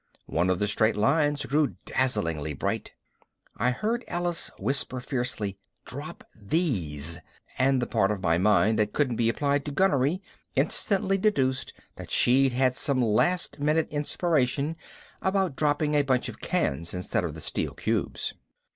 One of the straight lines grew dazzlingly bright. I heard Alice whisper fiercely, "Drop these!" and the part of my mind that couldn't be applied to gunnery instantly deduced that she'd had some last minute inspiration about dropping a bunch of cans instead of the steel cubes.